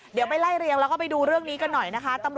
เดี๋ยวไปไล่เรียงแล้วก็ไปดูเรื่องนี้ค่ะ